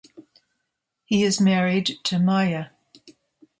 He is married to Maya.